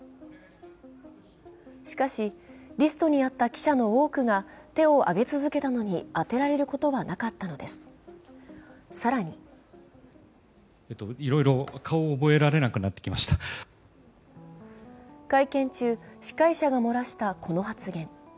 しかし、リストにあった記者の多くが手を挙げ続けたのに当てられることはなかったのです、更に会見中、司会者が漏らしたこの発言。